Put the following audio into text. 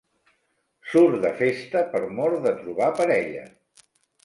Surt de festa per mor de trobar parella.